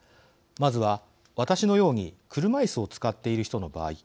まずは、私のように車いすを使っている人の場合。